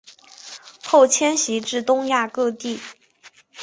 后迁徙至东亚各地。